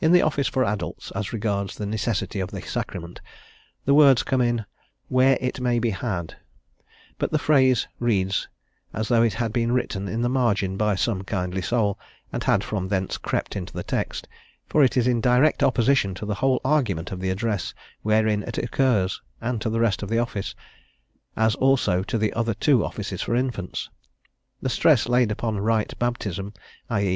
In the Office for adults, as regards the necessity of the Sacrament, the words come in: "where it may be had;" but the phrase reads as though it had been written in the margin by some kindly soul, and had from thence crept into the text, for it is in direct opposition to the whole argument of the address wherein it occurs and to the rest of the office, as also to the other two offices for infants. The stress laid upon right baptism, i.e.